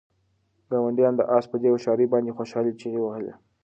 ګاونډیانو د آس په دې هوښیارۍ باندې د خوشحالۍ چیغې وهلې.